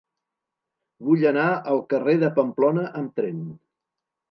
Vull anar al carrer de Pamplona amb tren.